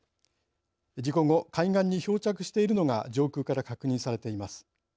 事故後海岸に漂着しているのが上空から確認されています。